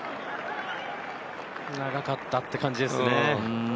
長かったって感じですね。